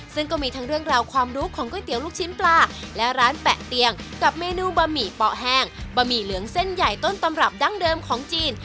ซึ่งก็มีทั้งเรื่องราวความรู้ของก๋วยเตี๋ยวลูกชิ้นปลาและร้านแปะเตียงกับเมนูบะหมี่เปาะแห้งบะหมี่เหลืองเส้นใหญ่ต้นตำรับดั้งเดิมของจีน